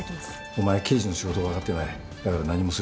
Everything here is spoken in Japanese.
お前は刑事の仕事をわかってないだから何もするな。